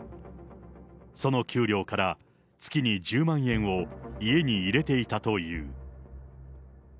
その給料から、月に１０万円を家に入れていたという。